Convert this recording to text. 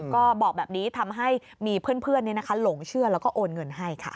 ก็บอกแบบนี้ทำให้มีเพื่อนหลงเชื่อแล้วก็โอนเงินให้ค่ะ